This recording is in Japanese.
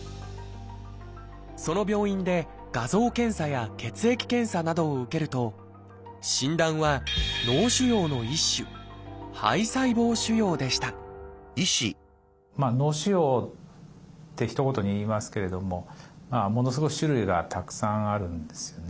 その病院で画像検査や血液検査などを受けると診断は脳腫瘍の一種脳腫瘍ってひと言に言いますけれどもものすごい種類がたくさんあるんですよね。